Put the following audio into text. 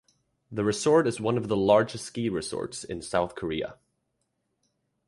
The resort is one of the largest ski resorts in South Korea.